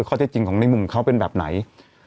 ข้อเท็จจริงของในมุมเขาเป็นแบบไหน